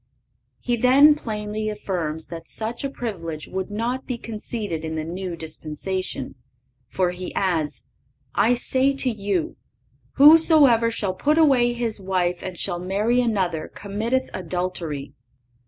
He then plainly affirms that such a privilege would not be conceded in the New Dispensation, for He adds: "I say to you: whosoever shall put away his wife and shall marry another committeth adultery."